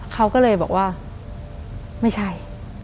เขาก็เลยบอกว่าไม่ใช่